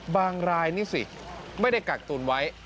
บางรายนี่สิไม่ได้กักตุนไว้